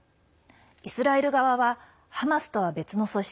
イスラエル側はハマスとは別の組織